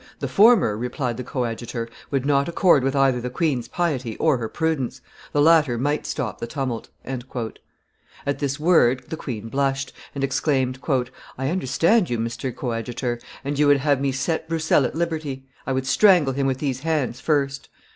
"The former," replied the coadjutor, "would not accord with either the queen's piety or her prudence; the latter might stop the tumult." At this word the queen blushed, and exclaimed, "I understand you, Mr. Coadjutor; you would have me set Broussel at liberty. I would strangle him with these hands first!"